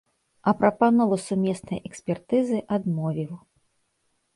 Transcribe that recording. А прапанову сумеснай экспертызы адмовіў.